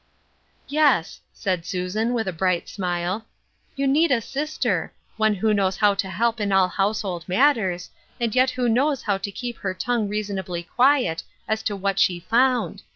" Yes," said Susan, with a bright smile, " you need a sister ; one who knows how to help in all household matters, and yet who knows how to keep her tongue reasonably quiet as to what she found.